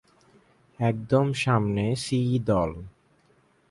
একদম সামনে সি দল।